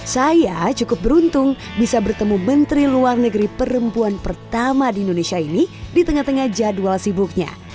saya cukup beruntung bisa bertemu menteri luar negeri perempuan pertama di indonesia ini di tengah tengah jadwal sibuknya